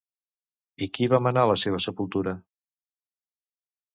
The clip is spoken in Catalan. I qui va manar la seva sepultura?